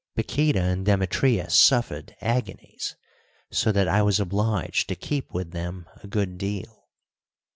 Paquíta and Demetria suffered agonies, so that I was obliged to keep with them a good deal.